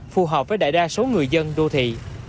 phù hợp với đại đa số người dân đô thị